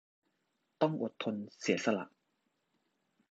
ต้องอดทนเสียสละ